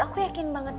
aku yakin banget